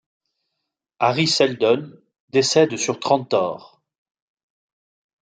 Hari Seldon décède sur Trantor.